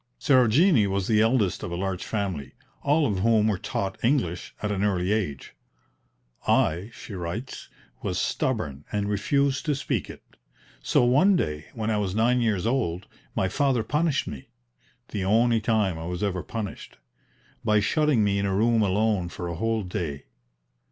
Sarojini was the eldest of a large family, all of whom were taught English at an early age. "I," she writes, "was stubborn and refused to speak it. So one day when I was nine years old my father punished me the only time I was ever punished by shutting me in a room alone for a whole day.